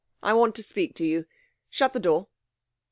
I want to speak to you. Shut the door.'